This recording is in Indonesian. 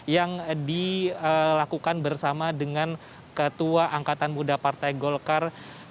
yang dilakukan bersama dengan ketua angkatan muda partai golkar